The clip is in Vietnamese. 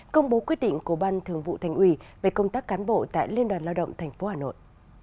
công bố quyết định của ban thường vụ thành ủy về công tác cán bộ tại liên đoàn lao động tp hà nội